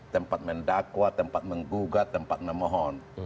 tempat mendakwa tempat menggugat tempat memohon